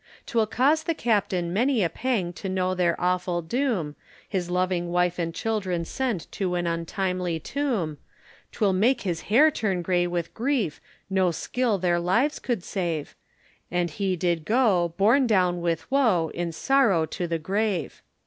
'Twill cause the captain many a pang to know their awful doom, His loving wife and children sent to an untimely tomb, 'Twill make his hair turn grey with grief, no skill their lives could save, And he did go, borne down with woe, in sorrow to the grave.